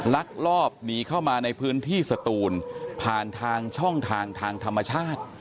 ลักลอบหนีเข้ามาในพื้นที่สตูนผ่านทางช่องทางทางธรรมชาติ